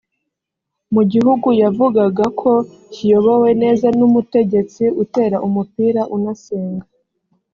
mu gihugu yavugaga ko kiyobowe neza n’umutegetsi utera umupira unasenga